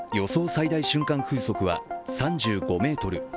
最大瞬間風速は３５メートル。